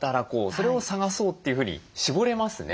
「それを探そう」というふうに絞れますね。